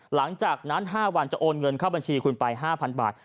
หลังจากนั้น๕วันจะโอนเงินเข้าบัญชีคุณไป๕๐๐บาท